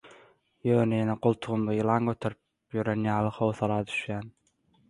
ýöne ýene goltugymda ýylan göterip ýören ýaly howsala düşýän.